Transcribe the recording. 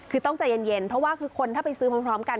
คือต้องใจเย็นเพราะว่าคือคนถ้าไปซื้อพร้อมกัน